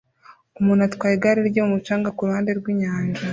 Umuntu atwara igare rye mumucanga kuruhande rwinyanja